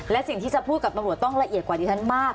และสิ่งที่จะพูดกับตำรวจต้องละเอียดกว่าดิฉันมาก